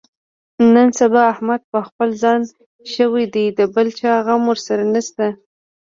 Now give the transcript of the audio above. نن سبا احمد په خپل ځان شوی دی، د بل چا غم ورسره نشته.